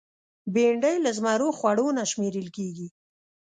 بېنډۍ له زمرو خوړو نه شمېرل کېږي